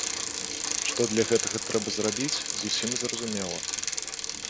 Што для гэтага трэба зрабіць, зусім зразумела.